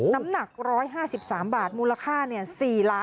น้ำหนัก๑๕๓บาทมูลค่า๔๕๐๐๐๐๐บาท